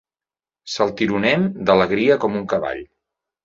Saltironem d'alegria com un cavall.